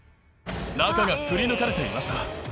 中がくりぬかれていました。